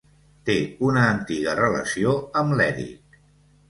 Té una antiga relació amb l'Eric.